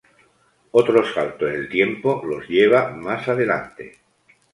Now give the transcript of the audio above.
Otro salto en el tiempo los lleva más adelante.